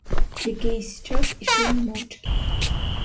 Якийсь час ішли ми мовчки.